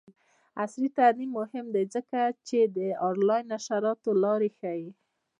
عصري تعلیم مهم دی ځکه چې د آنلاین نشراتو لارې ښيي.